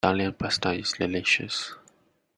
Italian Pasta is delicious.